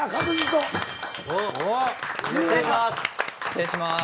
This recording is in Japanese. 失礼します。